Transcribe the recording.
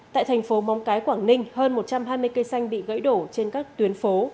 tại thành phố móng cái quảng ninh hơn một trăm hai mươi cây xanh bị gãy đổ trên các tuyến phố